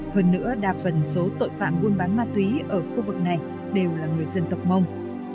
hơn nữa đa phần số tội phạm buôn bán ma túy ở khu vực này đều là người dân tộc mông